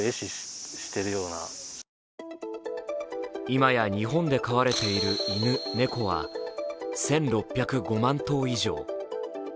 今や日本で飼われている犬、猫は１６０５万頭以上。